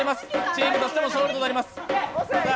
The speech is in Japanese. チームの勝利となります。